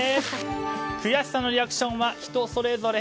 くやしさのリアクションは人それぞれ。